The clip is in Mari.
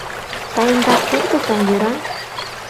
— Сайынрак тергыза, йӧра?